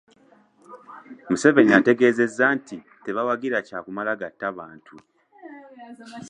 Museveni ategeezezza nti tebawagira kya kumala gatta bantu.